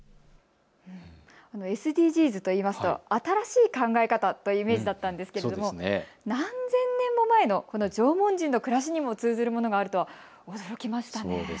ＳＤＧｓといいますと新しい考え方というイメージだったんですが何千年も前のこの縄文人の暮らしにも通ずるものがあるとは驚きました。